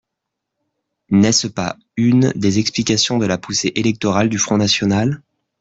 N’est-ce pas une des explications de la poussée électorale du Front national?